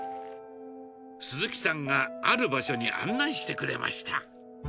すずきさんがある場所に案内してくれました。